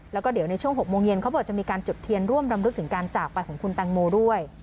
แล้วก็เดี๋ยวในช่วง๖โมงเย็นเขาบอกจะมีการจุดเทียนร่วมรำลึกถึงการจากไปของคุณแตงโมด้วย